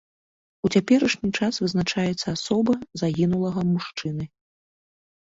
У цяперашні час вызначаецца асоба загінулага мужчыны.